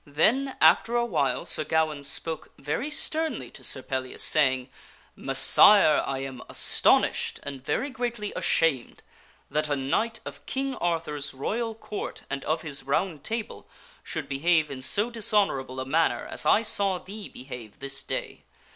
Then, after a while, Sir Gawaine spoke very sternly to Sir Pellias, say ing, " Messire, I am astonished and very greatly ashamed that a Knight of King Arthur's Royal Court and of his Round Table should s{r Gawaine behave in so dishonorable a manner as I saw thee behave rebukes Sir this day.